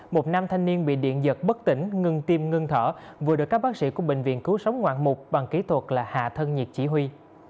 một nam thanh niên bị điện giật bất tỉnh ngừng tiêm ngưng thở vừa được các bác sĩ của bệnh viện cứu sống ngoạn mục bằng kỹ thuật là hạ thân nhiệt chỉ huy